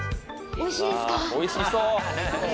おいしいです。